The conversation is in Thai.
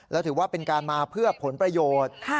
แล้วถือว่าเป็นการมาเพื่อผลประโยชน์